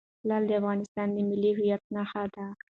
لعل د افغانستان د ملي هویت نښه ده.